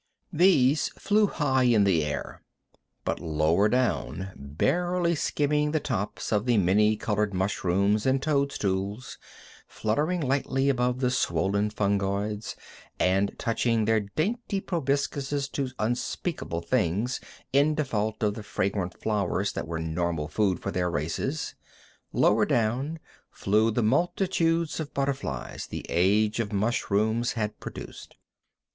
These flew high in the air, but lower down, barely skimming the tops of the many colored mushrooms and toadstools, fluttering lightly above the swollen fungoids, and touching their dainty proboscides to unspeakable things in default of the fragrant flowers that were normal food for their races lower down flew the multitudes of butterflies the age of mushrooms had produced.